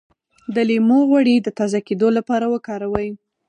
د لیمو غوړي د تازه کیدو لپاره وکاروئ